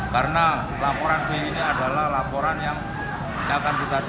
karena laporan v ini adalah laporan yang akan kita diberikan